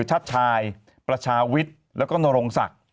ชาติชายประชาวิทย์แล้วก็นรงศักดิ์